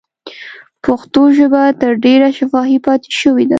پښتو ژبه تر ډېره شفاهي پاتې شوې ده.